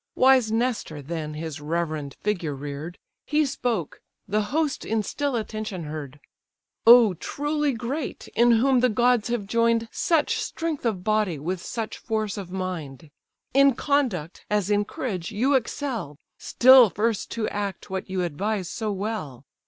Wise Nestor then his reverend figure rear'd; He spoke: the host in still attention heard: "O truly great! in whom the gods have join'd Such strength of body with such force of mind: In conduct, as in courage, you excel, Still first to act what you advise so well.